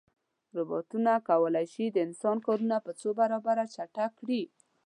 روبوټونه کولی شي د انسان کارونه په څو برابره چټک کړي.